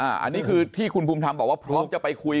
อันนี้คือที่คุณภูมิธรรมบอกว่าพร้อมจะไปคุย